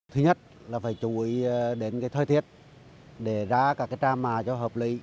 thứ nhất là phải chú ý đến cái thời tiết để ra các cái trang mà cho hợp lý